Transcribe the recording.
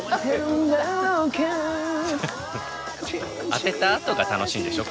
当てたあとが楽しいんでしょ？